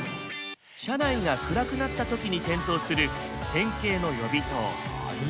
車内が暗くなった時に点灯する１０００形の予備灯。